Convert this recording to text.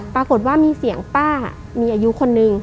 ปรากฏว่ามีเสียงป้ามีอายุคนนึง